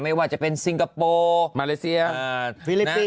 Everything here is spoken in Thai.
ไม่ว่าจะเป็นซิงคโปร์มาเลเซียฟิลิปปินส